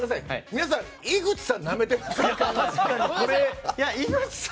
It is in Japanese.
皆さん、井口さんなめてません？